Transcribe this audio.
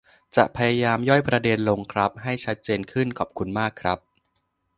จะพยายามย่อยประเด็นลงครับ ให้ชัดเจนขึ้น ขอบคุณมากครับ